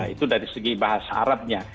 itu dari segi bahasa arabnya